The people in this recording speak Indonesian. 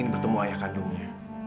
ingin bertemu ayah kandungnya